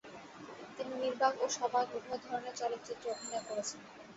তিনি নির্বাক ও সবাক উভয় ধরনের চলচ্চিত্রে অভিনয় করেছেন।